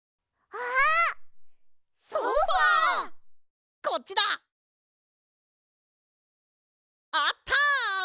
あった！